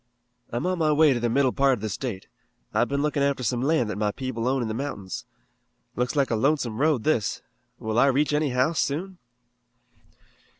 "I'm on my way to the middle part of the state. I've been looking after some land that my people own in the mountains. Looks like a lonesome road, this. Will I reach any house soon?"